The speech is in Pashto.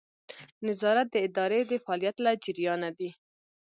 نظارت د ادارې د فعالیت له جریانه دی.